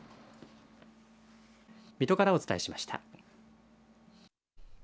水戸からお伝えしました。